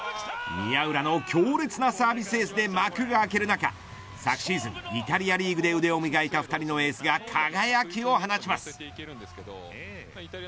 宮浦の強烈なサービスエースで幕を開ける中昨シーズン、イタリアリーグで腕を磨いた２人のエースが輝きを放ちます。